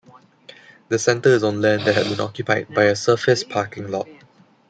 The center is on land that had been occupied by a surface parking lot.